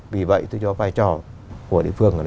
vì vậy tôi cho vai trò của địa phương